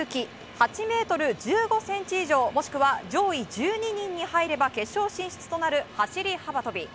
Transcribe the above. ８ｍ１５ｃｍ以上もしくは上位１２人に入れば決勝進出となる走り幅跳び。